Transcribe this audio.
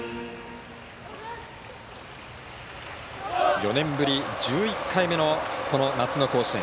４年ぶり１１回目のこの夏の甲子園。